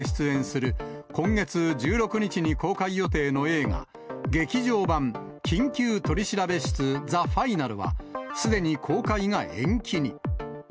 猿之助容疑者が、内閣総理大臣役で出演する、今月１６日に公開予定の映画、劇場版緊急取調室ＴＨＥＦＩＮＡＬは、すでに公開が延期に。